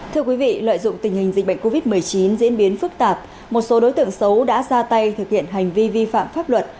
thưa quý vị lợi dụng tình hình dịch bệnh covid một mươi chín diễn biến phức tạp một số đối tượng xấu đã ra tay thực hiện hành vi vi phạm pháp luật